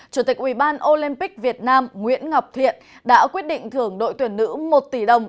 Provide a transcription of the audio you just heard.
chủ tịch ubnd việt nam nguyễn ngọc thuyện đã quyết định thưởng đội tuyển nữ một tỷ đồng